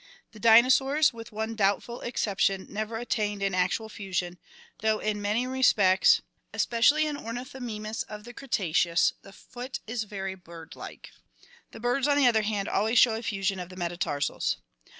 The dinosaurs, with one doubtful exception, CURSORIAL AND FOSSORIAL ADAPTATION 299 never attained an actual fusion, although in many respects, especially in Ornithomimus of the Cretace ous, the foot is very bird like. The birds, on the other hand, always show a fusion of the meta tarsals.